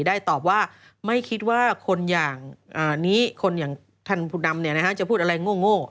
ตอบว่าไม่คิดว่าคนอย่างนี้คนอย่างท่านผู้นำจะพูดอะไรโง่